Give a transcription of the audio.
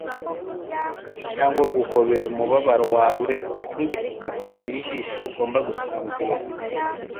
cyangwa guhobera umubabaro wawe nkigipupe kitagira ijisho ugomba gusinzira.